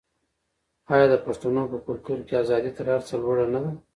آیا د پښتنو په کلتور کې ازادي تر هر څه لوړه نه ده؟